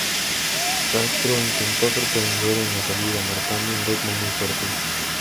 Castro intentó sorprender en la salida, marcando un ritmo muy fuerte.